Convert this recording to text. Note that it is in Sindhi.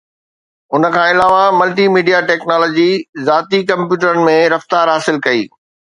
ان کان علاوه، ملٽي ميڊيا ٽيڪنالاجي ذاتي ڪمپيوٽرن ۾ رفتار حاصل ڪئي